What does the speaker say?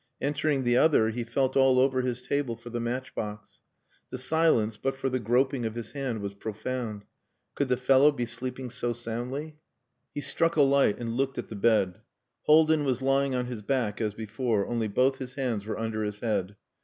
Entering the other, he felt all over his table for the matchbox. The silence, but for the groping of his hand, was profound. Could the fellow be sleeping so soundly? He struck a light and looked at the bed. Haldin was lying on his back as before, only both his hands were under his head.